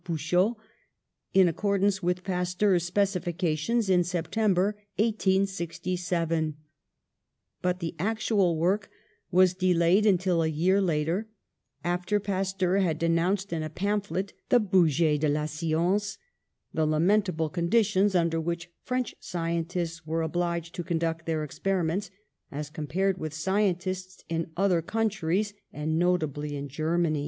Bouchot, in accordance with Pasteur's specifi cations, in September, 1867, but the actual work was delayed until a year later, after Pas teur had denounced, in a pamphlet, the Budget de la Science, the lamentable conditions under which French scientists were obliged to conduct their experiments, as compared with scientists in other countries, and notably in Germany.